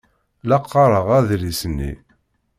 La qqareɣ adlis-nni.